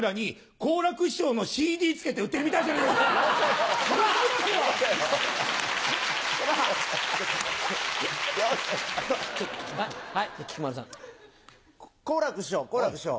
好楽師匠好楽師匠。